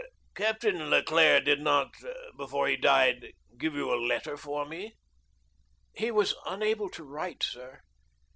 "Captain Leclere did not, before he died, give you a letter for me?" "He was unable to write, sir.